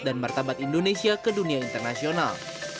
dan martabat indonesia ke dunia internasional